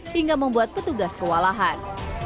hingga membuat petugas kewalahan